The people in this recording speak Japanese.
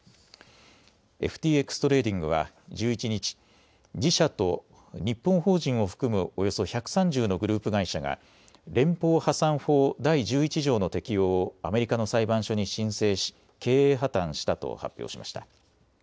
ＦＴＸトレーディングは１１日、自社と日本法人を含むおよそ１３０のグループ会社が連邦破産法第１１条の適用をアメリカの裁判所に申請し経営破綻したと発表しました。